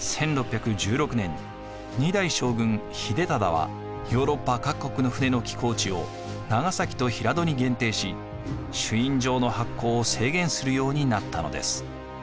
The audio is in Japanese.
１６１６年２代将軍秀忠はヨーロッパ各国の船の寄港地を長崎と平戸に限定し朱印状の発行を制限するようになったのです。